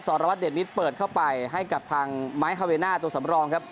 รวัตเดชมิตรเปิดเข้าไปให้กับทางไม้ฮาเวน่าตัวสำรองครับ